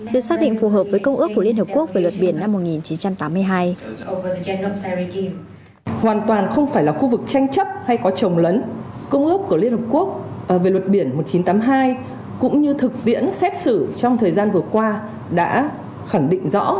được xác định phù hợp với công ước của liên hợp quốc về luật biển năm một nghìn chín trăm tám mươi hai